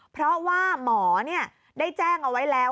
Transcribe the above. เพราะว่าหมอได้แจ้งเอาไว้แล้ว